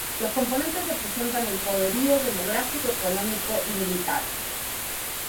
Los componentes representan el poderío demográfico, económico, y militar.